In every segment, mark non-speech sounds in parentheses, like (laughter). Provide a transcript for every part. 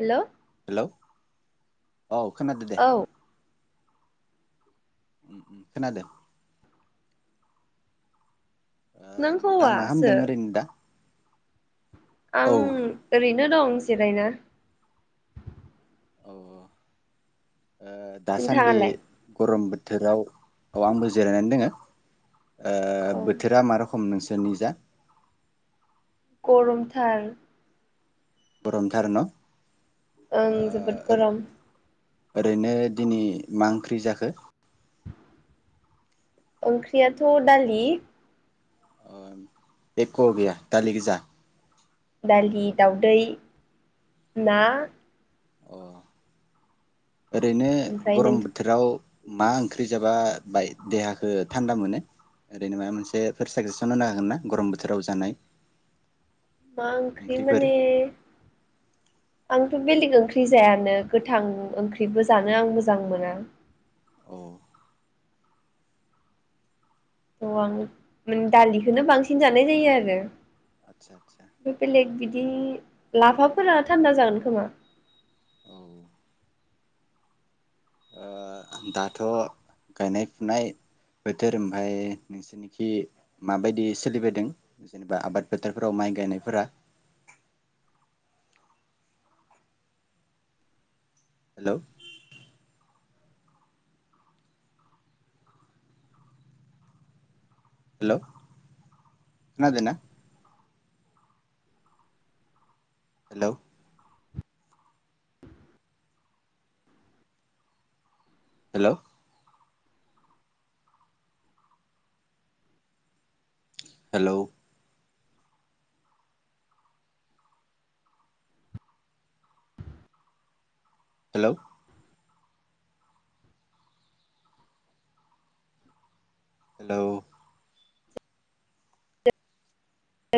Hello hello औ खोनादो दे। औ उम उम खोनादो ओ नों नोंथाङा मा हौवासो होनदों ओरैनो दा औ आं ओरैनो दं जिरायना (inaudible) अ ओ दासान्दि नोंथाङालाय गरम बोथोराव औ आंबो जिरायनानै दोंङो। ओ औ बोथोरा मा रख खम नोंसोर निजा? गरमथार गरमथार न। ओं ओ जोबोद गरम। ओरैनो दिनै मा ओंख्रि जाखो? ओंख्रियाथ दालि। अ एक गैया दालि गोजा दालि‌ दाउदै ना अ। ओरैनो ओमफ्राय नों गरम बोथोराव मा ओंख्रि जाबा बाय देहाखो थान्दा मोनो? ओरैनो माबा मोनसेफोर साजेसन होनो हागोन ना, गरम बोथोराव जानाय? मा ओंख्रि ओंख्रिफोर माने आं थ' बेलेग ओंख्रि जायानो गोथां ओंख्रिबो जानो आं मोजां मोना। अ। थ' आं नों दालिखौनो बांसिन जानाय जायो आरो। आदसा आदसा बे बेलेग दि दि लाफाफोरा थान्दा जागोन खोमा? औ आ-आं दाथ' गायनाय फुनाय बोथोर ओमफाय नोंसोरनिखि माबायदि सोलिबाय दों जेनेबा आबाद फोथोरफोराव माइ गायनायफोरा? हेलौ! हेलौ खोनादो ना? Hello! Hello! Hello! Hello! Hello!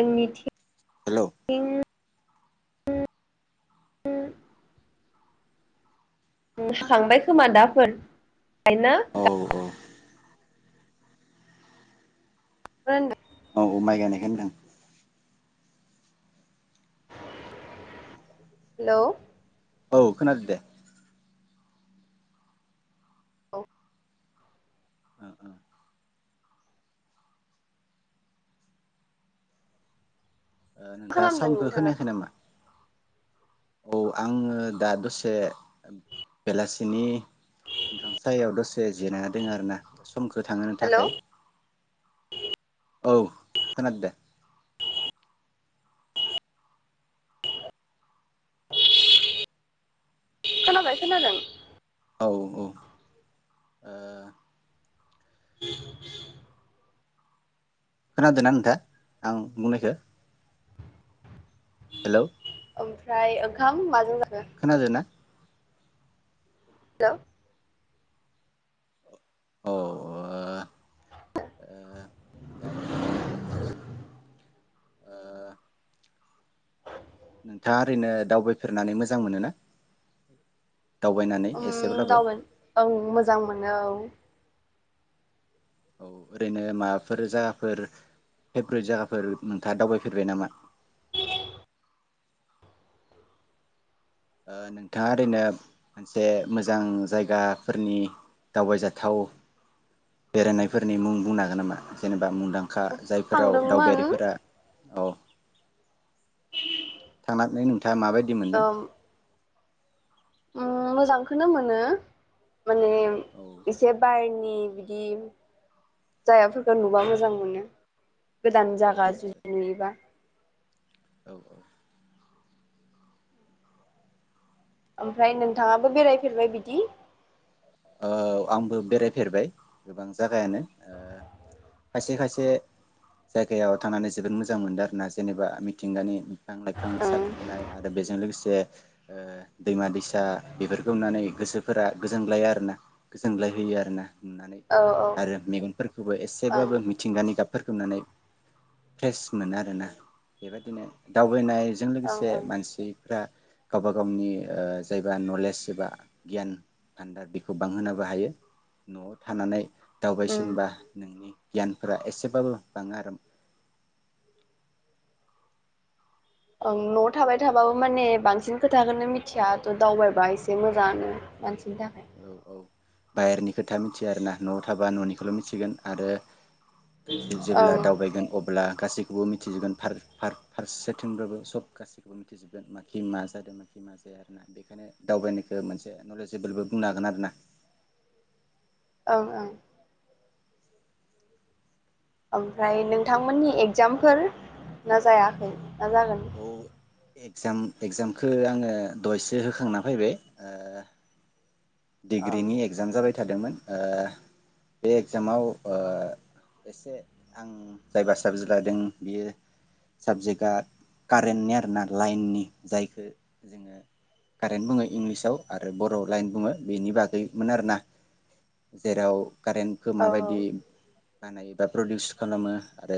आंनिथि हेलौ (unintelligible) (unintelligible) हाखांबाय खोमा दाफोर गायनो औ गा मा होनदो औ औ माइ गायनायखौ होनदों। हेलौ! औ खोनादों दे। औ। ओ ओ। ओ नोंथाङा खालामदों साउन्दखौ नोंथाङा खोनायाखै नामा? औ आङो दा दसे बेलासिनि बिफां सायाव दसे जिरायना दङ आरोना समखौ थांहोनो हेलौ थाखाय। औ खोनादों दे। खोनाबाय खोनादों? औ औ। (inaudible) खोनादोंना नोंथाङा आं बुंनायखो? ओमफ्राय ओं खाम माजों जा खोनादो ना? लौ अ ओ ओ दा उ-उ-उम। ओ (inaudible) नोंथाङा ओरैनो दावबायफेरनानै मोजां मोनो ना? उम दावबाय औ मोजां मोनो औ औ ओरैनो माबाफोर जागाफोर फेभ्रेट जागाफोर नोंथाङा दावबायफेरबाय नामा? ओ नोंथाङा ओरैनो मोनसे मोजां जायगाफोरनि दावबायजाथाव बेरायनायफोरनि मुं बुंनो हागोन नामा? (unintelligible) बा मुंदांखा जायफोराव थांदोंमोन दावबायारिफोरा औ थांनानै नोंथाङा माबायदि मोनदों? ओम उम मोजांखौनो मोनो माने औ एसे बाय नि बिदि जायाफोरखौ नुबा मोजां मोनो। गोदान औ जागा आदसा जुदि नुयोबा औ औ ओमफ्राय नोंथाङाबो बेरायफेरबाय बिदि? औ आंबो बेरायफेरबाय गोबां जागायावनो ओ खायसे खायसे जायगायाव थांनानै जोबोद मोजां मोनदों आरोना जेनेबा मिथिंगानि बिफां लाइफां ओं साग्लोबनाय आरो बेजों लोगोसे ओ दैमा दैसा बेफोरखौ नुनानै गोसोफोरा गोजोनग्लायो आ रो ना गोजोनग्लाय होयो आरो ना नुनानै औ औ आरो मेगनफोरखौबो ओं एसेबाबो मिथिंगानि गाब फोरखौ नुनानै फ्रेस मोनो आरोना बेबायदिनो दावबायनाय जों ओं लोगोसे ओं मानसि फोरा गावबा गावनि ओ जायबा नलेज एबा गियान (unintelligible) खौ बांहोनोबो हायो न'आव थानानै उम दावबायसिनबा नोंनि गियानफोरा एसेबाबो बाङो आरो। औ न'आव थाबाय थाबाबो माने बांसिन खोथाखौनो मिथिया थ' दावबायबा एसे मोजाङानो (unintelligible) औ औ बाहेरनि खोथा मिथिया आरोना न'आव थाबा न'निखौल' मिथिगोन आरो दा जे जेब्ला ओं दावबायगोन अ अब्ला गासैखौबो मिथिजोबगोन फार-फार-फारसेथिंबाबो सब गासैखौबो मिथिजोबगोन (unintelligible) मा जादों (unintelligible) मा जाया आरोना बेखायनो दावबायनायखौ मोनसे नलेजेबोलबो बुंनो हागोन आरोना। ओं ओं ओमफ्राय नोंथांमोननि एग्जामफोर ना जायाखै? ना जागोन? औ एगजाम एगजामखो आङो दयसो होखांना फैबाय ओ ओं डिग्रिनि एक्जाम जाबाय थादोंमोन ओ बे एगजामाव ओ एसे आं जायबा साबजेक्ट लादों बेयो साबजेक्टआ कारेन्टनि आरोना लाइननि जायखौ जोङो कारेन्ट बुङो इंलिसाव आरो बर'आव लाइन बुङो। बेनि बागैमोन आरोना जेराव कारेन्टखौ औ माबायदि बानायो बा प्रडिउस खालामो आरो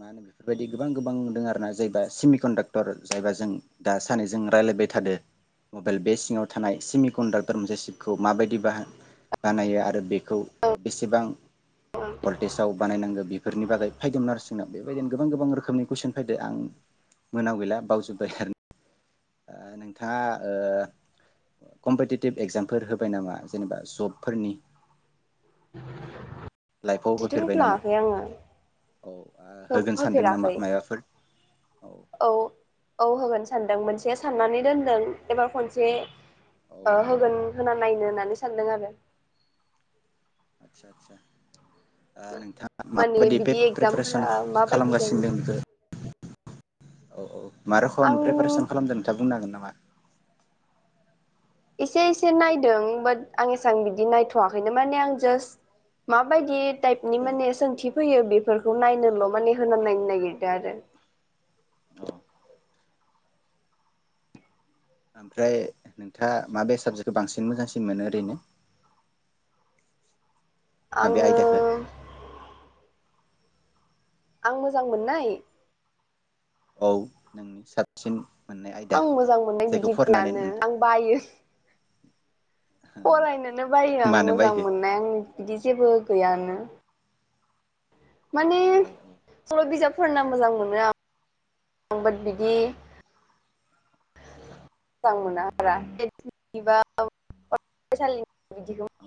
मा होनो बेफोरबायदि गोबां-गोबां दङ आरोना जायबा सिमि कन्डाक्टर जायबा जों दा सानैजों रायलायबाय थादो मबाइल बे सिङाव थानाय सिमि कन्डाक्टर मोनसे सिटखौ माबायदि बाहा बानायो आरो बेखौ बेसेबां औ भल्टेजाव बानायनांगौ बेफोरनि बागै फैदोंमोन आरो जोंनाव बेबायदिनो गोबां गोबां रोखोमनि कुइसन फैद आं मोनायाव गैला बावजोब्बाय आरो। ओ नोंथाङा ओ कम्पिटिेटिभ एगजामफोर होबाय नामा जेनेबा जबफोरनि? लाइफआव (inaudible) जिथ' होफेरबाय नामा होफ्लाङाखै आङो औ होगोन सानदों नामा हो-होफेराखै माबाफोर औ औ-औ होगोन सानदों मोनसे साननानै दोनदों एबार खनसे औ ओ होगोन। होना नायनो होननानै सानदों आरो‌। आदसा-आदसा। ओ नोंथाङा मा माने बायदि बिदि पे-प्रेपारेसन एगजामफोरा माबायदि खालामगासिनो जायो दं बेखो? औ-औ मा रखम आं प्रेपारेसन खालामदों नोंथाङा बुंनांनो हागोन नामा? मा एसे-एसे नायदों बाट आं एसां बिदि नायथ'वाखैनो माने आं जास्ट माबायदि टाइपनि औ माने सोंथि फैयो बे बेफोरखौ नायनोल' माने होना नायनो नागिरदो आरो। औ ओमफ्राय नोंथाङा मा बेे साबजेक्टखौ बांसिन मोजांसिन मोनो ओरैनो? माबे आङो आयदाखौ आं मोजांमोननाय? औ नोंनि साबसिन मोननाय आयदा आं मोजां मोननाय जायखौ बिदि फरायनानै गैयानो नोंथां आं बायो फरायनोनो बायो आं मानो मोजां बायो मोननाय आंनि बिदि जेबो गैयानो। मान औ-औ बिजाबफोरना मोजां मोनो आं (inaudible) बिदि मोजां मोना आरो (unintelligible)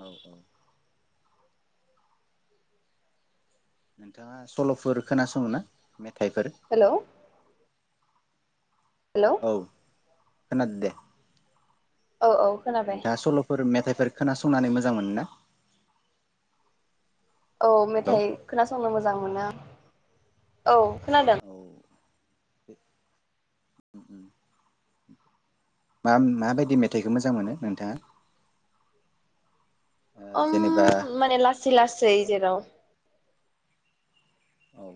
औ-औ नोंथाङा सल'फोर खोनासङो ना? थाइफोर हेलौ (inaudible) खोनादोंदे औ-औ खोनाबाय मेथाइफोर खोनासंनानै मोजां मोनोना? औ मेथाइ खोनासंनो मोजां मोजां मोना औ खोनादों? औ (unintelligible) मा-माबायदि मेथाइखौ मोजां मोनो नोंथाङा? ओ उम जेनेबा माने लासै लासै जेराव औ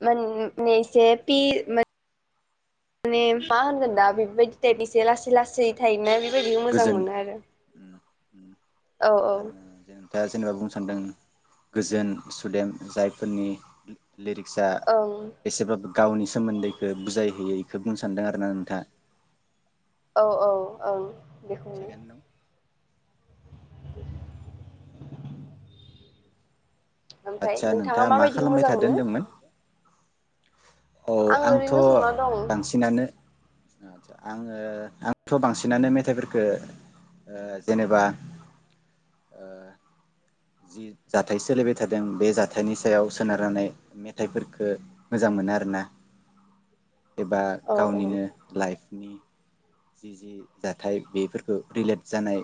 (unintelligible) एसे फि माने मा होनगोन दा बेफोरबायदि टाइप एसे लासै लासै थायोना (unintelligible) (unintelligible) मोजां गोजोन मोनो आरो उम उम औ औ आरोना जों दा जेनेबा बुंनो सान्दों गोजोन सुदेम जायफोरनि लिरिक्सा ओं एसेबाबो गावनि सोमोन्दैखौ बुजायहैयै। खो बुंनो सानदों आरोना नोंथांङा औ औ औ बेखौनो। थिगानो दं (inaudible) ओमफ्राय आदसा नोंथाङा मा माबायदिखौ खालामबाय मोजां थादो मोनो? होनदोंमोन औ आं आंथ' ओरैनो संना दं औ बांसिनानो आतसा आङो आंथ' बांसिनानो मेथाइफोरफोरखो ओ जेनेबा ओ जि जाथाय सोलिबाय थादों बे जाथायनि सायाव सोनारनानै मेथाइफोरखो मोजां मोनो आरो। ना एबा औ औ उम गावनिनो लाइफनि जि जि जाथाय बेफोरखौ रिलेट जानाय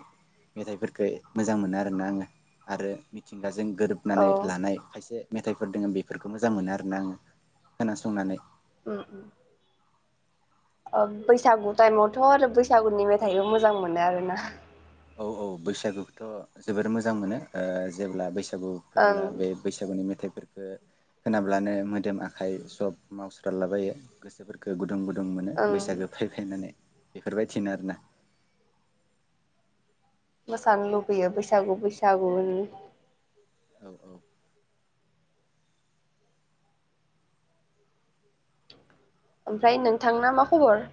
मेथाइफोरखो मोजां मोनो आरोना आङो आरो मिथिं गाजों गोरोबनानै लानाय खायसे मेथाइफोर दोङो बेफोरखौ मोजां मोनो आरोना आङो खोनासंनानै। उम उम ओ बैसागु टाइमावथ' आरो बैसागुनि मेथाइबो मोजां मोनो आरोना। औ औ बैसागुखौथ' जोबोर मोजां मोनो ओ जेब्ला बैसा गु ओं फैब्ला बे बैसागुनि मेथाइ फोरखो खोनाब्लानो मोदोम आखाइ सब मावस्रालाबायो गोसोफोरखो गुद गुद गुदुं गुदुं मोनो ओं बैसागो फै फैनानै बेफोरबायदिनो आरोना मोसानो लुबैयो बैसागु बैसागुनि। औ औ ओमफ्राय नोंथांना मा खबर?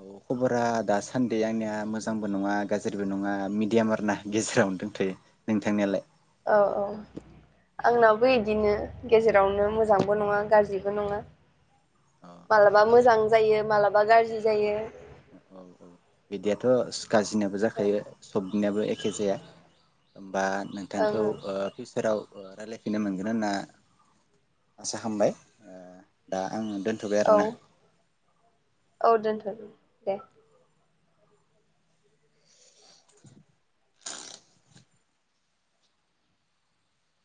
औ खबरा दासान्दि आंनिया मोजांबो नङा गाज्रिबो नङा मिडियाम आरो ना गेजेरावनो दोंथ'यो। नोंथांनियालाय? औ औ आंनाबो इदिनो गेजेरावनो मोजांबो नङा गाज्रिबो नङा औ मालाबा मोजां जायो मालाबा गाज्रि जायो। औ औ बिदियाथ' सो गासिनाबो ओं जाखायो सबनियाबो एखे जाया। (inaudible) बा ओं नोंथांखौ ओं ओ फिउचाराव। ओ रायलायफिननो मोनगोन होनना आसा खामबाय ओ दा आङो दोनथ'बाय औ आरोना। - औ दोनथ' दे। दे।